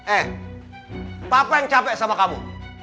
eh papa yang capek sama kamu